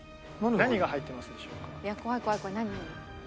何？